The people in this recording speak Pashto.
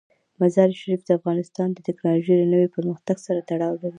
مزارشریف د افغانستان د تکنالوژۍ له نوي پرمختګ سره تړاو لري.